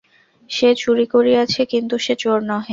সে চুরি করিয়াছে কিন্তু সে চোর নহে।